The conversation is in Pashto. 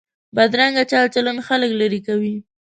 بدرنګه چال چلند خلک لرې کوي